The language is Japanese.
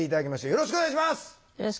よろしくお願いします。